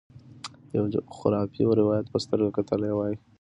د یوه خرافي روایت په سترګه کتلي وای.